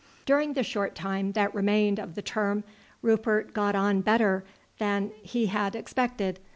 During the short time that remained of the term Rupert got on better than he had expected.